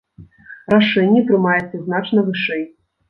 Рашэнне прымаецца значна вышэй.